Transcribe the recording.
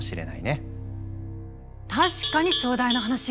確かに壮大な話よね。